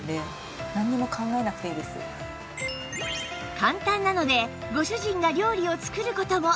簡単なのでご主人が料理を作る事も